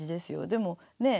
でもねえ？